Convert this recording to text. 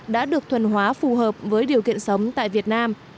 đã được thuần hóa phù hợp với điều kiện sống tại việt nam